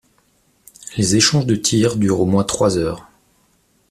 Les échanges de tirs durent au moins trois heures.